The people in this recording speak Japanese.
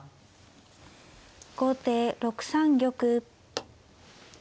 後手６三玉。